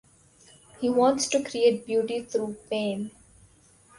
He wants to create beauty through pain.